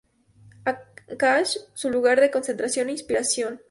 Ancash, su lugar de concentración e inspiración.